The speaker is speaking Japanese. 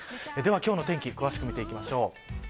今日の天気詳しく見ていきましょう。